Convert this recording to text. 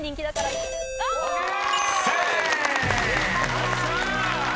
よっしゃ！